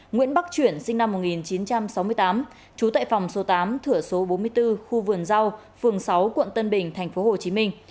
nguyễn bắc chuyển sinh năm một nghìn chín trăm sáu mươi tám trú tại phòng số tám thửa số bốn mươi bốn khu vườn rau phường sáu quận tân bình thành phố hồ chí minh